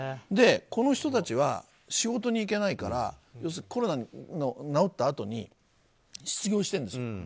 この人たちは仕事に行けないからコロナが治ったあとに失業してるんです。